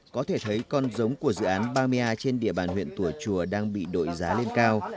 có thể thấy con dống của dự án bamea trên địa bàn huyện tùa chùa đang bị đổi giá lên cao